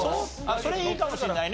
それいいかもしれないね。